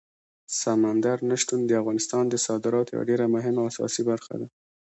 سمندر نه شتون د افغانستان د صادراتو یوه ډېره مهمه او اساسي برخه ده.